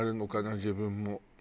自分も。